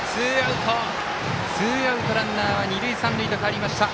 ツーアウト、ランナーは二塁三塁と変わりました。